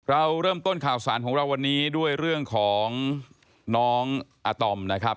เราเริ่มต้นข่าวสารของเราวันนี้ด้วยเรื่องของน้องอาตอมนะครับ